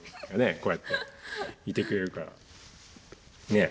こうやっていてくれるからね。